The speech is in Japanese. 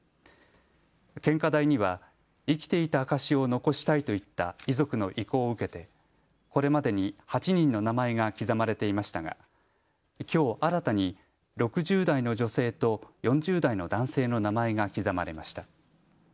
献花台には生きていた証しを残したいといった遺族の意向を受けて、これまでに８人の名前が刻まれていましたがきょう新たに６０代の女性と４０代の男性の名前が刻まれました。